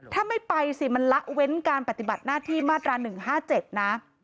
ถ้าไม่ไปสิมันละเว้นการปฏิบัติหน้าที่มาตรา๑๕๗นะ